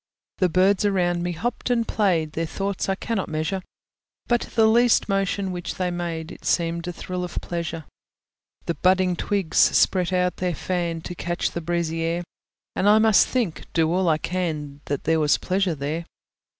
The birds around me hopped and played, Their thoughts I cannot measure: But the least motion which they made It seemed a thrill of pleasure. The budding twigs spread out their fan, To catch the breezy air; And I must think, do all I can, That there was pleasure there.